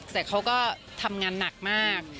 แต่เขาก็ทำงานหนักมาก